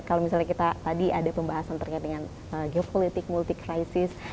kalau misalnya kita tadi ada pembahasan terkait dengan geopolitik multi krisis